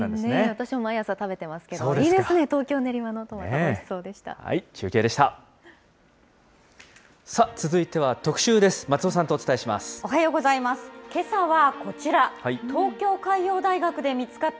私も毎朝食べてますけど、いいですね、東京・練馬のトマト、中継でした。